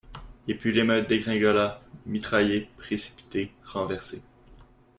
Et puis l'émeute dégringola mitraillée, précipitée, renversée.